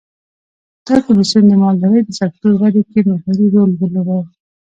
دا کمېسیون د مالدارۍ د سکتور ودې کې محوري رول ولوباوه.